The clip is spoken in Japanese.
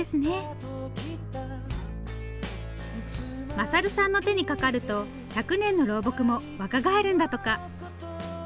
勝さんの手にかかると１００年の老木も若返るんだとか。